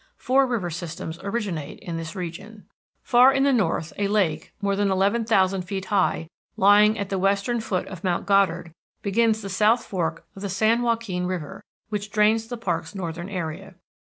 Four river systems originate in this region. Far in the north a lake, more than eleven thousand feet high, lying at the western foot of Mount Goddard, begins the South Fork of the San Joaquin River, which drains the park's northern area.